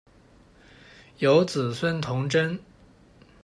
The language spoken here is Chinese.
有子孙同珍。